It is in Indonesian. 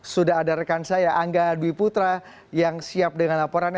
sudah ada rekan saya angga dwi putra yang siap dengan laporannya